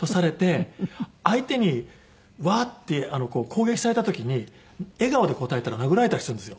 相手にワーッて攻撃された時に笑顔で応えたら殴られたりするんですよ。